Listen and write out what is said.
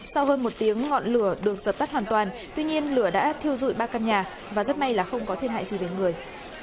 sau hơn một tiếng ngọn lửa được giật tắt hoàn toàn tuy nhiên lửa đã thiêu rụi ba căn nhà và rất may là không có thiên hại gì với người